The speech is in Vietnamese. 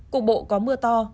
cụ bộ có mưa to